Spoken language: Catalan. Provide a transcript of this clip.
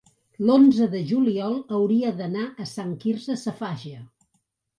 l'onze de juliol hauria d'anar a Sant Quirze Safaja.